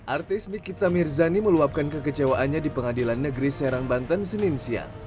artis nikita mirzani meluapkan kekecewaannya di pengadilan negeri serang banten senin siang